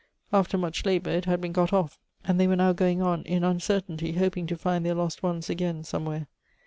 After much labor it had been got off; and they were now going on in uncertainty, hoping to find their lost ones again somewhere.